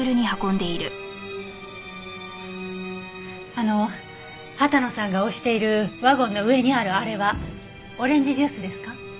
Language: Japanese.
あの羽田野さんが押しているワゴンの上にあるあれはオレンジジュースですか？